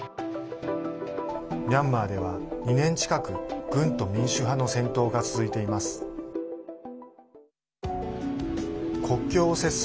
ミャンマーでは２年近く軍と民主派の戦闘が続いています。